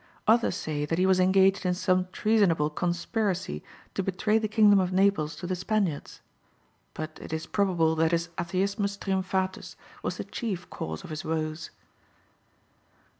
Others say that he was engaged in some treasonable conspiracy to betray the kingdom of Naples to the Spaniards; but it is probable that his Atheismus triumphatus was the chief cause of his woes.